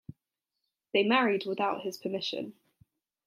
They married without his permission.